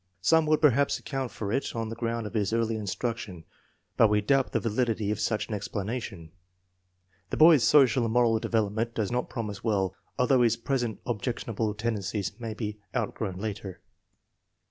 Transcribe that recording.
Some would perhaps account for it on the ground of his early instruction, but we doubt the val idity of such an explanation. The boy's social and moral development does not promise well, although his present objectionable tendencies may be out* FORTY ONE SUPERIOR CHILDREN 37 grown later.